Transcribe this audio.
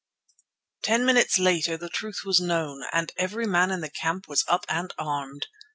Ten minutes later the truth was known and every man in the camp was up and armed.